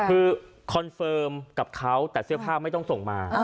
คือคอนเฟิร์มกับเขาแต่เสื้อผ้าไม่ต้องส่งมา